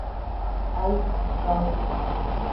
aidta cau